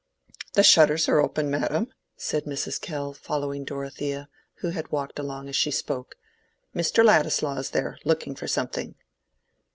"The shutters are open, madam," said Mrs. Kell, following Dorothea, who had walked along as she spoke. "Mr. Ladislaw is there, looking for something."